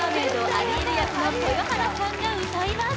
アリエル役の豊原さんが歌います